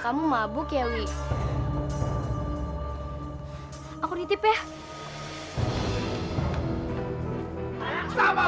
kamu harus membunuh tujuh belas gadis